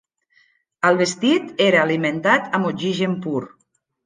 El vestit era alimentat amb oxigen pur.